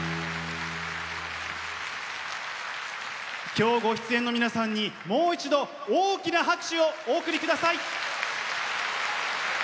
今日ご出演の皆さんにもう一度大きな拍手をお送り下さい。